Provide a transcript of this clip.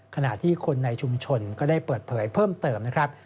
ขณะที่คนในชุมชนก็ได้เปิดเผยเพิ่มเติมนะครับ